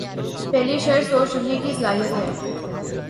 پہلی شرط سوچ رکھنے کی صلاحیت ہے۔